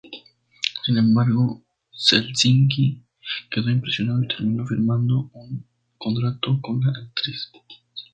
Sin embargo, Selznick quedó impresionado y terminó firmando un contrato con la actriz.